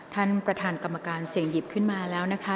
ท่านประธานกรรมการเสี่ยงหยิบขึ้นมาแล้วนะคะ